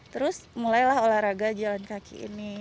terus mulailah olahraga jalan kaki ini